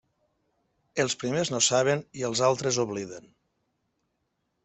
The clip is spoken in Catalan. Els primers no saben, i els altres obliden.